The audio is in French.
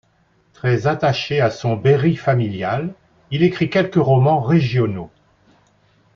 Très attaché à son Berry familial, il écrit quelques romans régionaux.